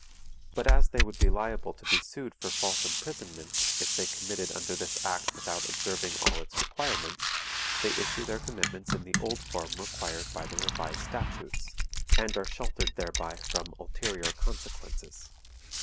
But as they would be liable to be sued for false imprisonment if they committed under this act without observing all its requirements, they issue their commitments in the old form required by the Revised Statutes, and are sheltered thereby from ulterior consequences.